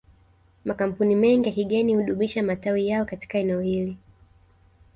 Makampuni mengi ya kigeni hudumisha matawi yao katika eneo hili